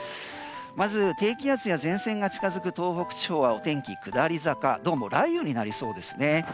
まず低気圧や前線が近づく東北地方はお天気下り坂どうも雷雨になりそうです。